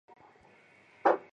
渐渐恢复体力